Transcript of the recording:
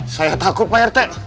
saya takut pak rt